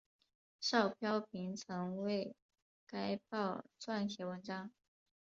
邵飘萍曾为该报撰写文章。